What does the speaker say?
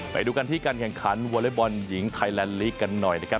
ไปดูกันที่การแข่งขันวอเล็กบอลหญิงไทยแลนด์ลีกกันหน่อยนะครับ